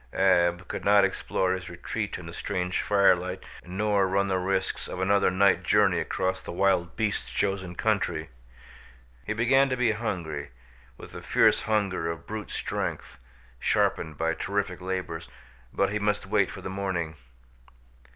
Ab could not explore his retreat in the strange firelight nor run the risks of another night journey across the wild beasts' chosen country. He began to be hungry, with the fierce hunger of brute strength, sharpened by terrific labors, but he must wait for the morning.